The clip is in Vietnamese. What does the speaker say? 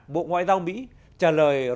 bộ ngoại giao mỹ trả lời